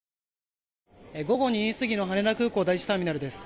午後２時過ぎの羽田空港第１ターミナルです。